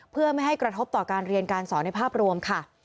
เพื่อไม่ให้กระทบต่อการเรียนการสอนในภาพรวมค่ะ